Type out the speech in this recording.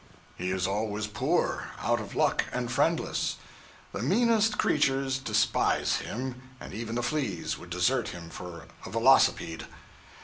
He is always poor, out of luck and friendless. The meanest creatures despise him, and even the fleas would desert him for a velocipede.